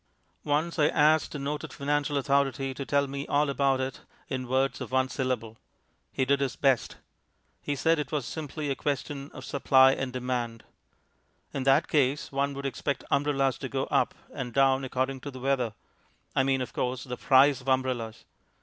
Once I asked a noted financial authority to tell me all about it in words of one syllable. He did his best. He said it was "simply a question of supply and demand." In that case one would expect umbrellas to go up and down according to the weather I mean, of course, the price of umbrellas.